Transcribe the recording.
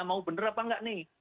mau benar apa enggak nih